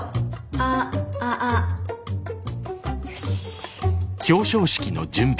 あああ。よし。